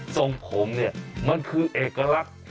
ทรงผมเนี่ยมันคือเอกลักษณ์